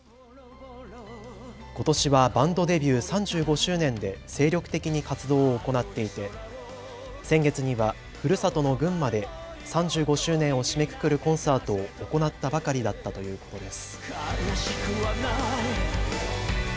ことしはバンドデビュー３５周年で精力的に活動を行っていて先月にはふるさとの群馬で３５周年を締めくくるコンサートを行ったばかりだったということです。